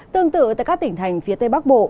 tương tự tại các tỉnh thành phía tây bắc bộ